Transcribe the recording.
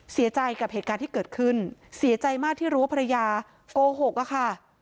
เสียใจกับเหตุการณ์ที่เกิดขึ้นเสียใจมากที่รู้ว่าภรรยาโกหกอะค่ะ